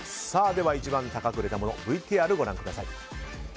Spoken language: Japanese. では一番高く売れたものＶＴＲ、ご覧ください。